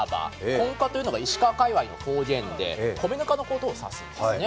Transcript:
こんかというのが石川界わいの方言で米ぬかのことを指すんですね。